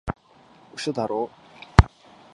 嘘だろ？